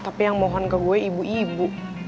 tapi yang mohon ke gue ibu ibu